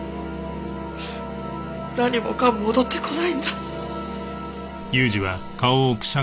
何もかも戻ってこないんだ。